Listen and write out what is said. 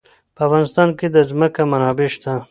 په افغانستان کې د ځمکه منابع شته.